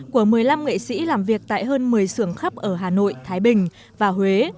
của một mươi năm nghệ sĩ làm việc tại hơn một mươi xưởng khắp ở hà nội thái bình và huế